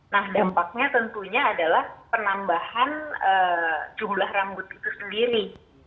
nah dampaknya tentunya adalah penambahan jumlah rambut itu sendiri